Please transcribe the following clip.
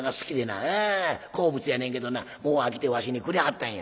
ああ好物やねんけどなもう飽きてわしにくれはったんや」。